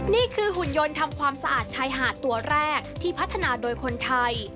หุ่นยนต์ทำความสะอาดชายหาดตัวแรกที่พัฒนาโดยคนไทย